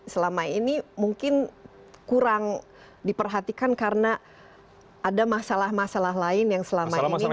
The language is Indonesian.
selama ini mungkin kurang diperhatikan karena ada masalah masalah lain yang selama ini